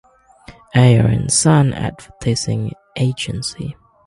Ayer and Son advertising agency.